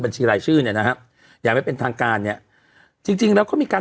บัญชีรายชื่อเนี่ยนะฮะอย่างไม่เป็นทางการเนี้ยจริงจริงแล้วเขามีการ